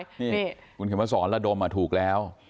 นี่คุณเข็มมาสอนระดมถูกแล้ว